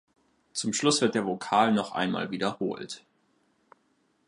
Zum Schluss wird der Vokal noch einmal wiederholt.